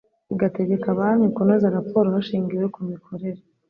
igategeka banki kunoza raporo hashingiwe ku mikorere